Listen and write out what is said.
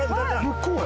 向こうや。